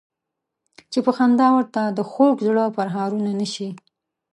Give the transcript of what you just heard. چې په خندا ورته د خوږ زړه پرهارونه نه شي.